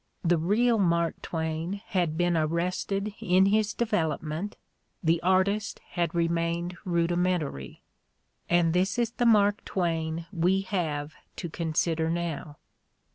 The real Mark Twain had been arrested in his development, the artist had remained rudimentary; and this is the Mark Twain we have to consider now.